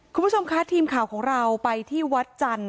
คุณผู้ชมคะทีมข่าวของเราไปที่วัดจันทร์